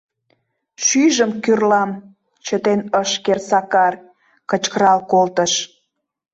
— Шӱйжым кӱрлам! — чытен ыш керт Сакар, кычкырал колтыш.